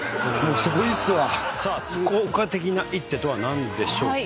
効果的な一手とは何でしょうか。